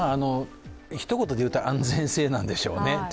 一言で言うと安全性なんでしょうね。